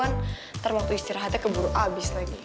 nanti waktu istirahatnya keburu abis lagi